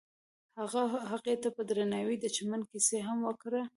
هغه هغې ته په درناوي د چمن کیسه هم وکړه.